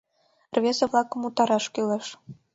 Рвезе-влакым утараш кӱлеш.